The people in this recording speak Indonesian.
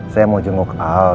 saya mau jenguk al